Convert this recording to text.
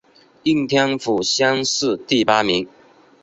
应天府乡试第八名。